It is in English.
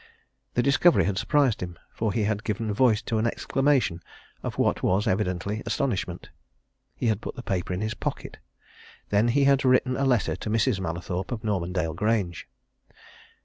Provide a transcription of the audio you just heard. The discovery had surprised him, for he had given voice to an exclamation of what was evidently astonishment. He had put the paper in his pocket. Then he had written a letter to Mrs. Mallathorpe of Normandale Grange.